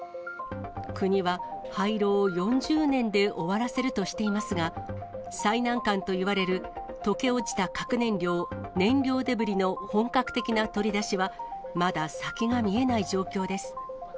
国は廃炉を４０年で終わらせるとしていますが、最難関といわれる、溶け落ちた核燃料・燃料デブリの本格的な取り出しは、まだ先が見えない状況です。